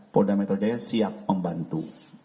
polda metro jaya siap membantu